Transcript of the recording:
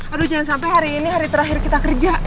aduh jangan sampai hari ini hari terakhir kita kerja